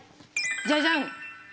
じゃじゃん！